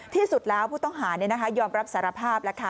ที่สุดแล้วผู้ต้องหายอมรับสารภาพแล้วค่ะ